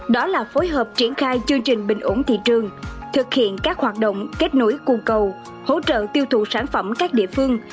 đó là phối hợp triển khai chương trình bình ổn thị trường thực hiện các hoạt động kết nối cung cầu hỗ trợ tiêu thụ sản phẩm các địa phương